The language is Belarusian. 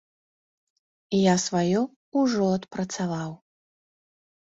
Я сваё ўжо адпрацаваў.